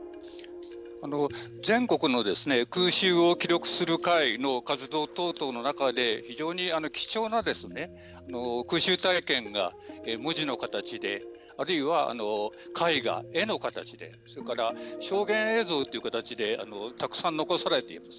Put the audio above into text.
全国の空襲を記録する会の活動等々の中で非常に貴重な空襲体験が文字の形であるいは絵画、絵の形でそれから、証言映像という形でたくさん残されています。